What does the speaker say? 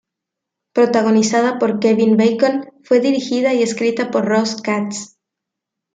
Protagonizada por Kevin Bacon, fue dirigida y escrita por Ross Katz.